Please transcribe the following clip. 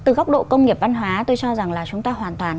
từ góc độ công nghiệp văn hóa tôi cho rằng là chúng ta hoàn toàn